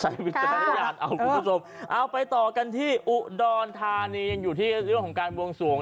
อีกสักพักนึงมันจะหมุนมารวมกัน